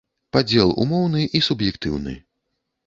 Падзел умоўны і суб'ектыўны.